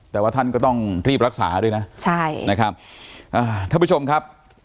แต่ว่าท่านก็ต้องรีบรักษาด้วยนะท่านผู้ชมครับ